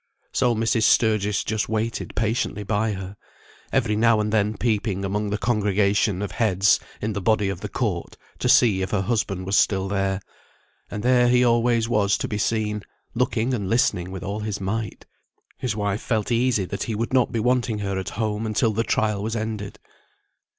So Mrs. Sturgis just waited patiently by her, every now and then peeping among the congregation of heads in the body of the court, to see if her husband were still there. And there he always was to be seen, looking and listening with all his might. His wife felt easy that he would not be wanting her at home until the trial was ended.